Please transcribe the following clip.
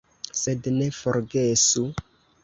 Sed ne forgesu!